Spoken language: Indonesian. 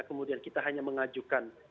kemudian kita hanya mengajukan